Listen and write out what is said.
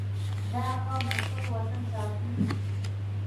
• دا قوم د خپل وطن ساتونکي دي.